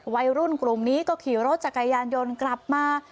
วัยรุ่นกลุ่มนี้ก็ขี่รถจักรยานยนต์กลับมา